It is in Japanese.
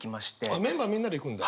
あっメンバーみんなで行くんだ？